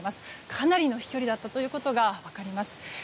かなりの飛距離だったということが分かります。